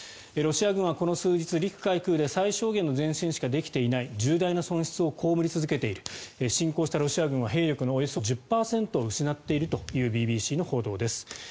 ロシア軍はこの数日陸海空で最小限の前進しかできていない重大な損失を被り続けている侵攻したロシア軍は兵力のおよそ１０％を失っているというＢＢＣの報道です。